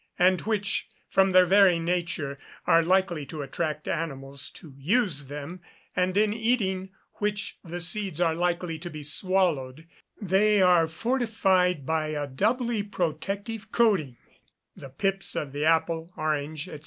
and which, from their very nature, are likely to attract animals to use them, and in eating which the seeds are likely to be swallowed, they are fortified by a doubly protective coating; the pips of the apple, orange, &c.